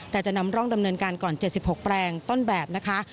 แต่จะนำร่องดำเนินการก่อน๗๖แปลงต้นแบบนะคะ